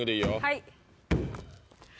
はい！